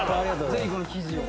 ぜひこの生地を。